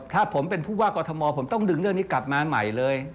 ถ้าผมเป็นผู้ว่ากอทมผมต้องดึงเรื่องนี้กลับมาใหม่เลย